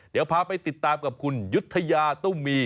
เดี๋ยวพาไปติดตามกับคุณยุธยาตุ้มมี